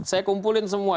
saya kumpulin semua